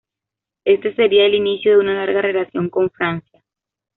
Este sería el inicio de una larga relación con Francia.